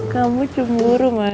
kamu cemburu mas